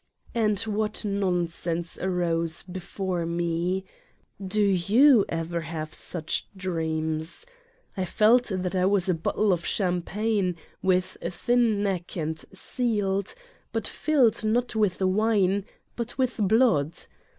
And what nonsense arose be fore me ! Do you ever have such dreams ? I felt that I was a bottle of champagne, with a thin neck and sealed, but filled not with wine but with blood